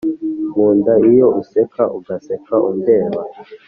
nkunda iyo useka ugaseka undeba